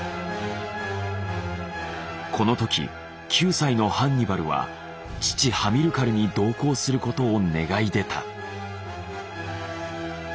この時９歳のハンニバルは父ハミルカルに同行することを願い出た。